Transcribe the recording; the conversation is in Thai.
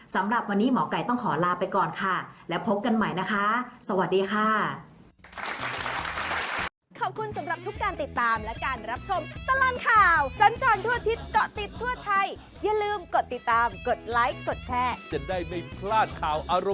สำหรับวันนี้หมอไก่ต้องขอลาไปก่อนค่ะและพบกันใหม่นะคะสวัสดีค่ะ